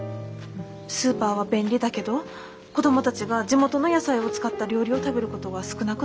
スーパーは便利だけど子供たちが地元の野菜を使った料理を食べることが少なくなったんです。